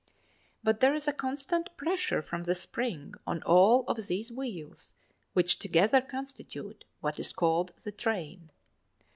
But there is a constant pressure from the spring on all of these wheels, which together constitute what is called the train.